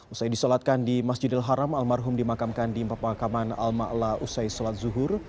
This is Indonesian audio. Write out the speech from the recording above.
usai disolatkan di masjidil haram almarhum dimakamkan di pemakaman al ma'la usai solat zuhur